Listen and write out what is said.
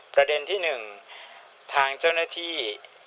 ประเด็นที่๑ทางเจ้าหน้าที่